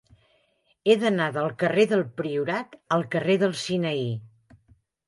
He d'anar del carrer del Priorat al carrer del Sinaí.